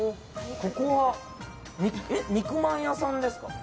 ここは肉まん屋さんですか？